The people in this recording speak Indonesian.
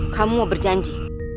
kamu mau berjanji